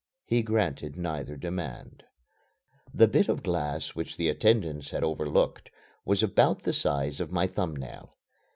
He granted neither demand. The bit of glass which the attendants had overlooked was about the size of my thumb nail.